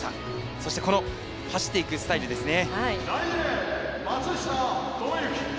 そして走っていくスタイルですね。